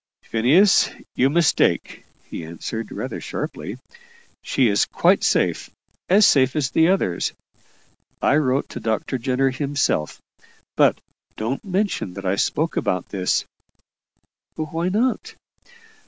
"Phineas, you mistake," he answered, rather sharply. "She is quite safe as safe as the others. I wrote to Dr. Jenner himself. But don't mention that I spoke about this." "Why not?"